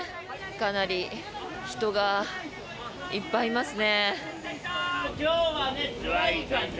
かなり人がいっぱいいますね。